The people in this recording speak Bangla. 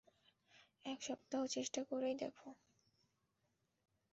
এক সপ্তাহ চেষ্টা করেই দেখো।